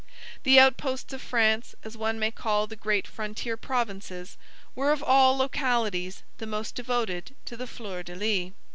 The outposts of France, as one may call the great frontier provinces, were of all localities the most devoted to the Flours de Lys.